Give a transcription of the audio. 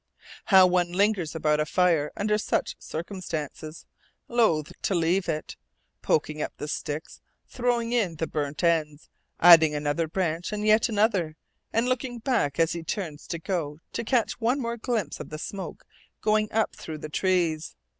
How one lingers about a fire under such circumstances, loath to leave it, poking up the sticks, throwing in the burnt ends, adding another branch and yet another, and looking back as he turns to go to catch one more glimpse of the smoke going up through the trees!